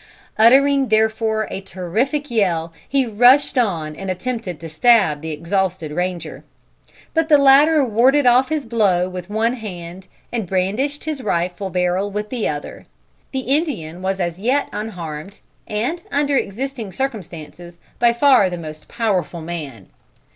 Uttering, therefore, a terrific yell, he rushed on and attempted to stab the exhausted ranger. But the latter warded off his blow with one hand and brandished his rifle barrel with the other. The Indian was as yet unharmed, and, under existing circumstances, by far the most powerful man.